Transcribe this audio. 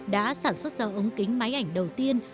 đã sản xuất ra ống kính máy ảnh đầu tiên